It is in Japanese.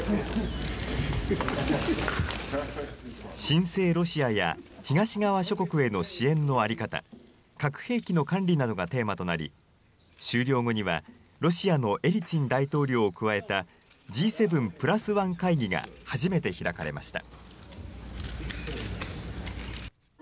しんせいロシアや東側諸国への支援の在り方、核兵器の管理などがテーマとなり、終了後にはロシアのエリツィン大統領を加えたＧ７＋１会議が初めて開かれました。